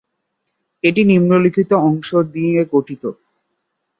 এটি নিম্নলিখিত অংশ নিয়ে গঠিত।